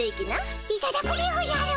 いただくでおじゃる。